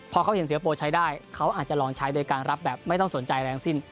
พอเขาเห็นสิงคโปร์ใช้ได้เขาอาจจะลองใช้โดยการรับแบบไม่ต้องสนใจอะไรทั้งสิ้น